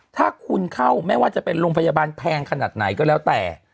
ถ้าคุณเข้าไม่ว่าจะเป็นโรงพยาบาลแพงขนาดไหนก็แล้วแต่